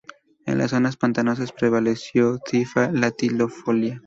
En las zonas pantanosas prevaleció "Typha latifolia".